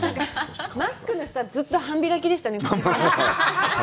マスクの下は、ずっと半開きでしたね。